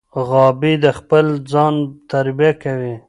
غابي د خپل ځان تربیه کوي.